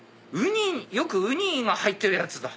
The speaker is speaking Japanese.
よくウニが入ってるやつだ。